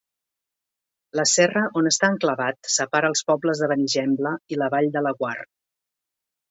La serra on està enclavat separa els pobles de Benigembla i la Vall de Laguar.